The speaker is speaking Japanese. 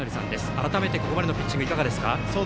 改めて、ここまでのピッチングいかがですか？